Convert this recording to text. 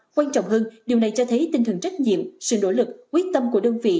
quan trọng hơn điều này cho thấy tinh thần trách nhiệm sự nỗ lực quyết tâm của đơn vị